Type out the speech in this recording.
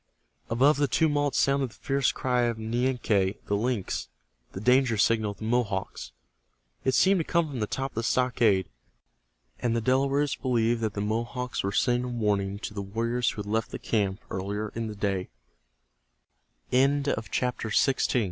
Above the tumult sounded the fierce cry of Nianque, the lynx, the danger signal of the Mohawks. It seemed to come from the top of the stockade, and the Delawares believed that the Mohawks were sending a warning to the warriors who had left the camp earlie